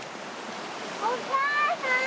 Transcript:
お母さん